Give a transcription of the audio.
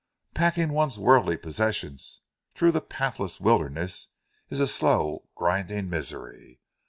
Packing one's worldly possessions through the pathless wilderness is a slow, grinding misery.